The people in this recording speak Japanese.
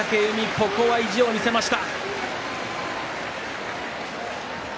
ここは意地を見せました。